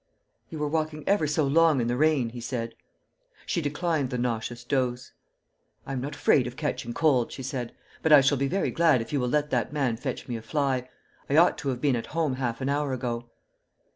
"You were walking ever so long in the rain," he said. She declined the nauseous dose. "I am not afraid of catching cold," she said; "but I shall be very glad if you will let that man fetch me a fly. I ought to have been at home half an hour ago."